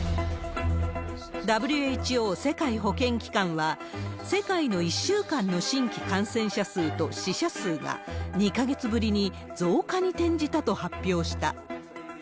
ＷＨＯ・世界保健機関は、世界の１週間の新規感染者数と死者数が、２か月ぶりに増加に転じたと発表した。